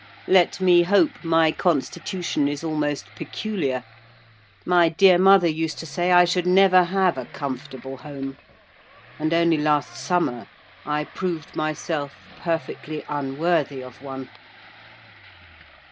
Let me hope my constitution is almost peculiar: my dear mother used to say I should never have a comfortable home; and only last summer I proved myself perfectly unworthy of one.